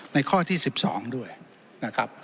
ข้อที่๑๒ด้วยนะครับ